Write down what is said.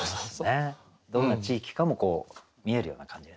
どんな地域かも見えるような感じですね。